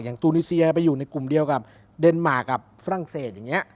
ตูนีเซียไปอยู่ในกลุ่มเดียวกับเดนมาร์กับฝรั่งเศสอย่างนี้